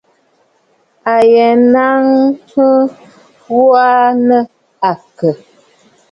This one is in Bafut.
A yə nàa ghu aa nɨ àkə̀?